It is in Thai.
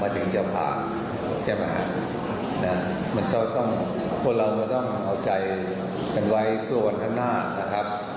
แต่เราก็ต้องเอาใจเป็นไว้เพื่อวันข้างหน้านะครับ